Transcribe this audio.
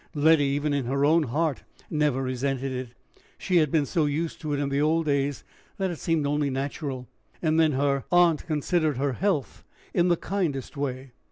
Letty, even in her own heart, never resented it. She had been so used to it in the old days, that it seemed only natural. And then her aunt considered her health in the kindest way.